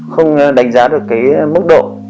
không đánh giá được mức độ